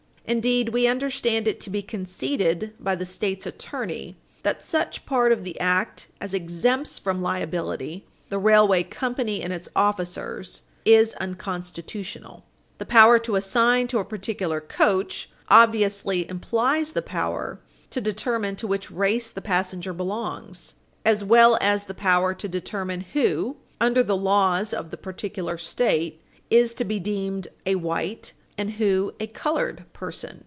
Indeed, we understand it to be conceded by the State's Attorney that such part of the act as exempts from liability the railway company and its officers is unconstitutional. The power to assign to a particular coach obviously implies the power to determine to which race the passenger belongs, as well as the power to determine who, under the laws of the particular State, is to be deemed a white and who a colored person.